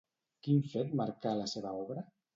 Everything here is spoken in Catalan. Quin fet marcà la seva obra?